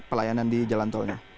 pelayanan di jalan tolnya